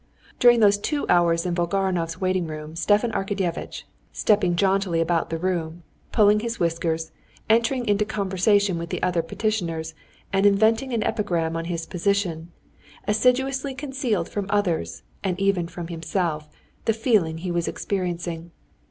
During those two hours in Volgarinov's waiting room Stepan Arkadyevitch, stepping jauntily about the room, pulling his whiskers, entering into conversation with the other petitioners, and inventing an epigram on his position, assiduously concealed from others, and even from himself, the feeling he was experiencing.